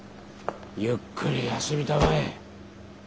ゆっくり休みたまえ。